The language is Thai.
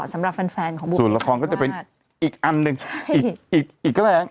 สำหรับแฟนแฟนของบุคส่วนละครก็จะเป็นอีกอันหนึ่งใช่อีกอีกก็ได้